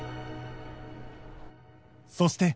そして